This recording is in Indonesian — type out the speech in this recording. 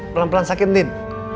pelan pelan sakit din